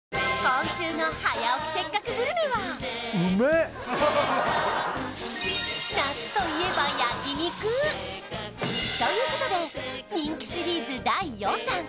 今週の「早起きせっかくグルメ！！」はということで人気シリーズ第４弾！